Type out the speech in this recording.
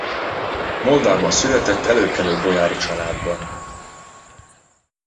Moldvában született előkelő bojári családban.